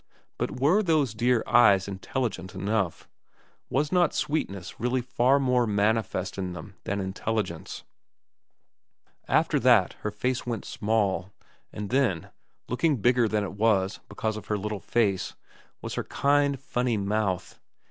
But were those dear eyes intelligent enough ? Was not sweetness really far more manifest in them than intelligence ? After that her face went small, and then, looking bigger than it was because of her little face, was her kind, funny mouth.